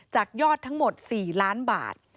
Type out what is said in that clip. จากยอดทั้งหมด๔ล้านบาท